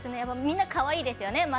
みんなかわいいですよね。